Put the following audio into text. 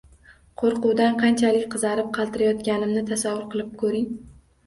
Qo`rquvdan qanchalik qizarib, qaltirayotganimni tasavvur qilib ko`ring